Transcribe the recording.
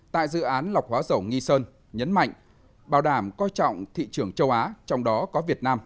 tại dự án lọc hóa dầu nghi sơn nhấn mạnh bảo đảm coi trọng thị trường châu á trong đó có việt nam